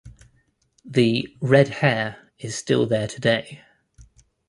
The "Red Hare" is still there today.